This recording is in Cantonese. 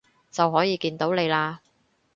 就可以見到你喇